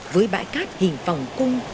với bãi cát hình phòng cung